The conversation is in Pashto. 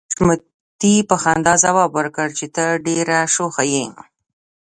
حشمتي په خندا ځواب ورکړ چې ته ډېره شوخه يې